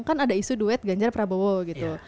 kan ada isu duet ganjar prabowo gitu